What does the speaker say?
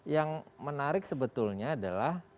yang menarik sebetulnya adalah